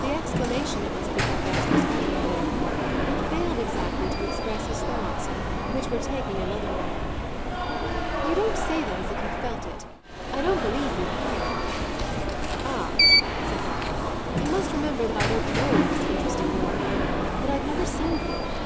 The exclamation, it must be confessed, was automatic; it failed exactly to express his thoughts, which were taking another line. "You don't say that as if you felt it. I don't believe you care." "Ah," said Ralph, "you must remember that I don't know this interesting young man that I've never seen him."